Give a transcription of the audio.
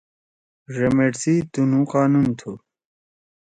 ڙمیٹ سی تنُو قانون تھو۔